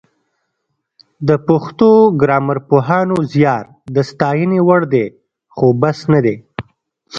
د پښتو ګرامرپوهانو زیار د ستاینې وړ دی خو بس نه دی